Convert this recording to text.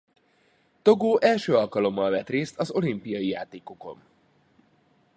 Togo első alkalommal vett részt az olimpiai játékokon.